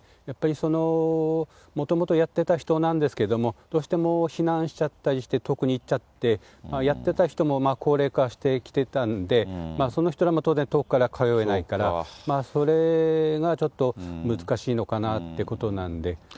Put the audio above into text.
やっぱり、もともとやってた人なんですけども、どうしても避難しちゃったりして、遠くに行っちゃって、やってた人も高齢化してきてたんで、その人らも当然遠くから通えないから、それがちょっと、難しいのかなってことなんで。